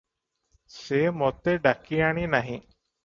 ସେ ମୋତେ ଡାକିଆଣି ନାହିଁ ।